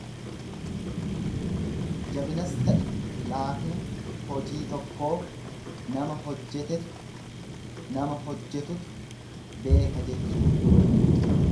Jabinas, ta'e laafina hojii tokkoo nama hojjetetu nama hojjetutu beeka jechuudha.